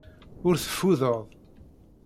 Ur teffuded.